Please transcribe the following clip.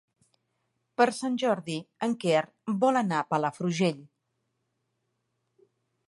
Per Sant Jordi en Quer vol anar a Palafrugell.